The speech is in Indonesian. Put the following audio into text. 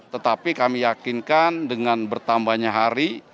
tetapi kami yakinkan dengan bertambahnya hari